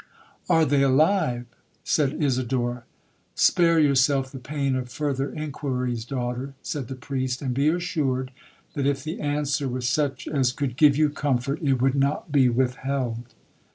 'Are they alive?' said Isidora.—'Spare yourself the pain of further inquiries, daughter,' said the priest, 'and be assured, that if the answer was such as could give you comfort, it would not be withheld.'